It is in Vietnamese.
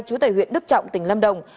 chú tại huyện đức trọng tỉnh lâm đồng